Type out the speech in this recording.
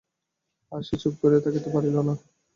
আর সে চুপ করিয়া থাকিতে পারিল না।